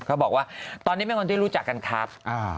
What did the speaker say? เขาบอกว่าตอนนี้เป็นคนที่รู้จักกันครับ